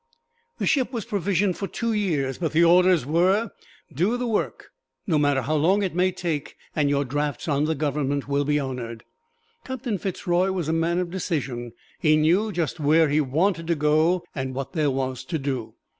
The ship was provisioned for two years, but the orders were, "Do the work, no matter how long it may take, and your drafts on the Government will be honored." Captain Fitz Roy was a man of decision: he knew just where he wanted to go, and what there was to do.